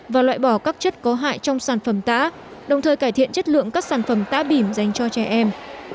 và loại bỏ các chất có hại trong sản phẩm tả đồng thời cải thiện chất lượng các sản phẩm tả bìm dành cho trẻ em